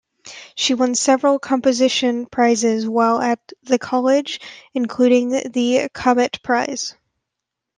She won several composition prizes while at the College, including the Cobbett Prize.